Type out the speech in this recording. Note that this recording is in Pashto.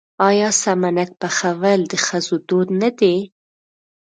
آیا سمنک پخول د ښځو دود نه دی؟